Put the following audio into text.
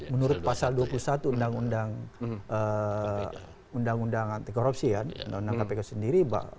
menurut pasal dua puluh satu undang undang anti korupsi ya undang undang kpk sendiri